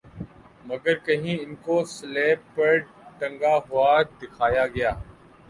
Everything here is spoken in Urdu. مگر کہیں انکو صلیب پر ٹنگا ہوا دکھایا گیا